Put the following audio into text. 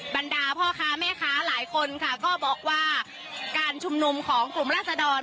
บรรดาพ่อค้าแม่ค้าหลายคนค่ะก็บอกว่าการชุมนุมของกลุ่มราศดร